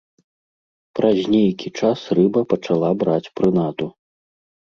Праз нейкі час рыба пачала браць прынаду.